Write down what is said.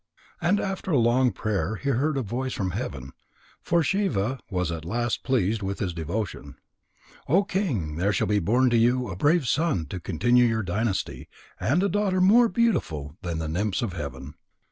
And after long prayer he heard a voice from heaven, for Shiva was at last pleased with his devotion: "O King, there shall be born to you a brave son to continue your dynasty, and a daughter more beautiful than the nymphs of heaven."